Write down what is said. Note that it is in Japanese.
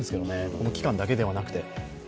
この期間だけではなくて。